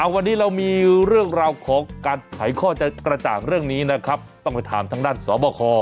วันนี้เรามีเรื่องราวของการไขข้อจะกระจ่างเรื่องนี้นะครับต้องไปถามทางด้านสบค